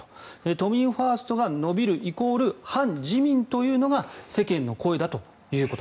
都民ファーストが伸びるイコール、反自民というのが世間の声だということ。